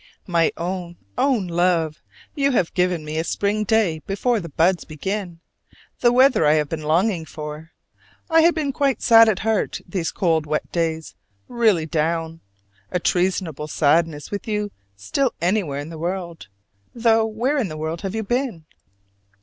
My Own Own Love: You have given me a spring day before the buds begin, the weather I have been longing for! I had been quite sad at heart these cold wet days, really down; a treasonable sadness with you still anywhere in the world (though where in the world have you been?).